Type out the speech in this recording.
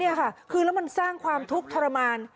นี่ค่ะคือแล้วมันสร้างความทุกข์ทรมาน